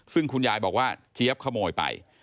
ซึ่งคุณยายบอกว่าเจี๊ยบขโมยไป